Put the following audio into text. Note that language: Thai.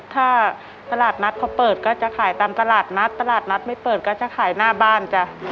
ถ้าตลาดนัดเขาเปิดก็จะขายตามตลาดนัดตลาดนัดไม่เปิดก็จะขายหน้าบ้านจ้ะ